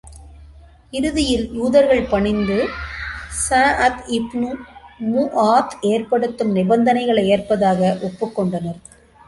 இறுதியில், யூதர்கள் பணிந்து, ஸஅத் இப்னு முஆத் ஏற்படுத்தும் நிபந்தனைகளை ஏற்பதாக ஒப்புக் கொண்டனர்.